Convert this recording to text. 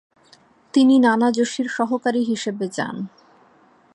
তিনি নানা জোশী’র সহকারী হিসেবে যান।